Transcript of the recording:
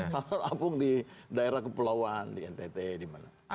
salah apung di daerah kepulauan di ntt di mana